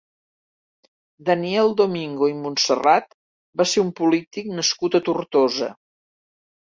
Daniel Domingo i Montserrat va ser un polític nascut a Tortosa.